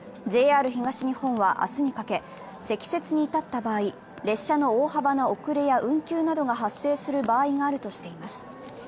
ＪＲ東日本は明日にかけ、積雪にに至った場合、列車の大幅な遅れや運休などが発生する場合があるとしています。